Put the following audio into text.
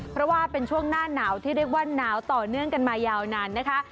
เพราะว่าเป็นช่วงหน้าหนาวที่เรียกว่าหนาวต่อเนื่องกันมายาวนานนะคะ